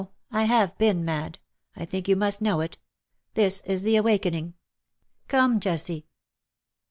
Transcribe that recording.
I have been mad. I think you must know it — this is the awakening. Come, Jessie.''''